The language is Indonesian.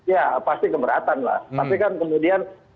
ya pasti keberatan lah tapi kan kemudian